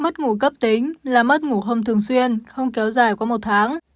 mất ngủ cấp tính là mất ngủ không thường xuyên không kéo dài qua một tháng